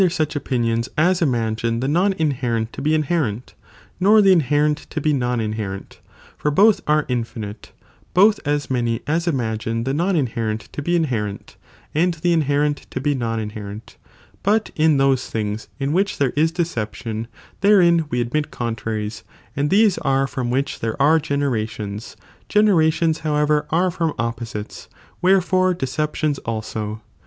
such opinions as imagine the non inherent to be inherent, nor the inherent to be non inherent, (for both are infinite,^ both as many as imagine the non inherent to be inherent, and the inherent to be non inherent) ; bat in those things in which there is deception, (therein we admit contraries,) and these are from which there are generations; generations however are from opposites, wherefore deceptions also.